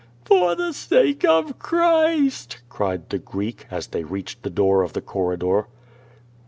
"For the sake of Christ!" cried the Greek, as they reached the door of the corridor.